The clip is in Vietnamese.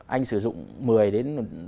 anh sử dụng một mươi đến